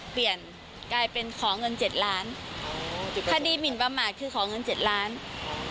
พี่ไม่มีให้หรอก